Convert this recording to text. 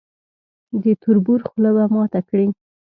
د تربور خوله به ماته کړي.